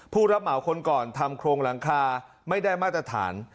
ผู้รับเหมาคนก่อนทำโครงหลังคาไม่ได้มาตรฐาน